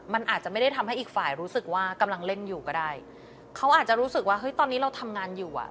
มันอาจจะไม่ได้ทำให้อีกฝ่ายรู้สึกว่ากำลังเล่นอยู่ก็ได้เขาอาจจะรู้สึกว่าเฮ้ยตอนนี้เราทำงานอยู่อ่ะ